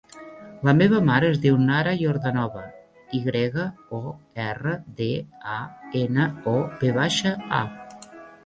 La meva mare es diu Nara Yordanova: i grega, o, erra, de, a, ena, o, ve baixa, a.